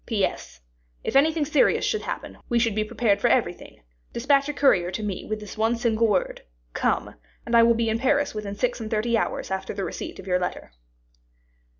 "P. S. If anything serious should happen we should be prepared for everything, dispatch a courier to me with this one single word, 'come,' and I will be in Paris within six and thirty hours after the receipt of your letter."